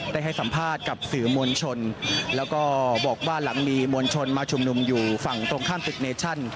ได้ให้สัมภาษณ์กับสื่อมวลชนแล้วก็บอกว่าหลังมีมวลชนมาชุมนุมอยู่ฝั่งตรงข้ามตึกเนชั่น